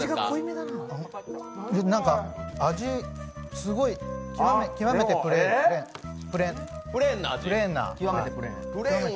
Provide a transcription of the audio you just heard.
なんか、味、すごい、極めてプレーン。